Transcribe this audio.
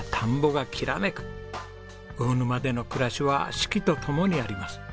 魚沼での暮らしは四季とともにあります。